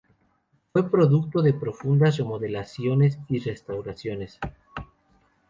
Fue producto de profundas remodelaciones y restauraciones.